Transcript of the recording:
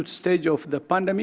tahap akut pandemi